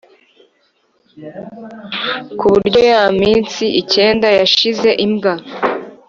kuburyo ya minsi icyenda yashize imbwa